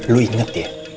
lu inget ya